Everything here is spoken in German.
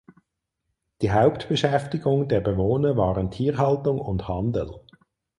Die Hauptbeschäftigung der Bewohner waren Tierhaltung und Handel.